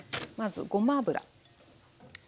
まずごま油。